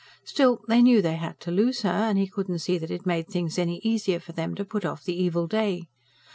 Still, they knew they had to lose her, and he could not see that it made things any easier for them to put off the evil day.